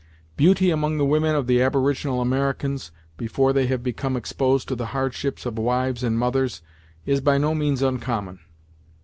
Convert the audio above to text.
Beauty among the women of the aboriginal Americans, before they have become exposed to the hardships of wives and mothers, is by no means uncommon.